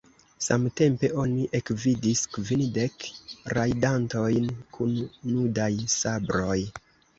Samtempe oni ekvidis kvindek rajdantojn kun nudaj sabroj.